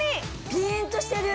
ピーンとしてる！